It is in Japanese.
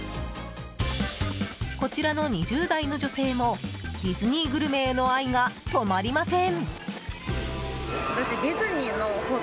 こちらの２０代の女性もディズニーグルメへの愛が止まりません。